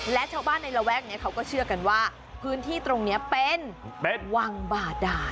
และชาวบ้านในระแวกนี้เขาก็เชื่อกันว่าพื้นที่ตรงนี้เป็นวังบาดา